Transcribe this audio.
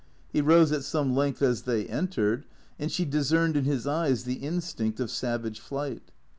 He rose at some length as they entered, and she discerned in his eyes the instinct of savage flight.